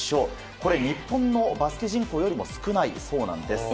これ、日本のバスケ人口よりも少ないそうなんです。